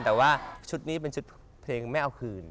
แต่ว่าชุดนี้เป็นชุดเพลงไม่เอาคืน